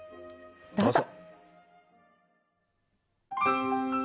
どうぞ。